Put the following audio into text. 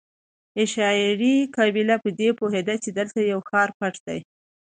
عشایري قبیله په دې پوهېده چې دلته یو ښار پټ دی.